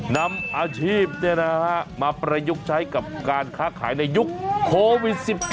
นำอาชีพมาประยุกต์ใช้กับการค้าขายในยุคโควิด๑๙